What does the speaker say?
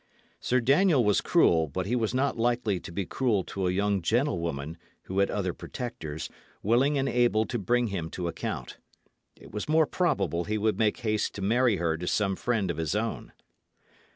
Sir Daniel was cruel, but he was not likely to be cruel to a young gentlewoman who had other protectors, willing and able to bring him to account. It was more probable he would make haste to marry her to some friend of his own.